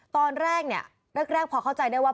ตอนแรกแรกพอเข้าใจได้ว่า